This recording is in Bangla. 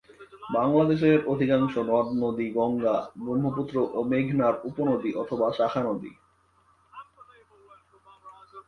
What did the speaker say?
বাংলাদেশের অধিকাংশ নদ নদী গঙ্গা, ব্রহ্মপুত্র ও মেঘনার উপনদী অথবা শাখা নদী।